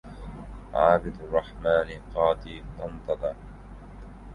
عابد الرحمن قاضي طنطدا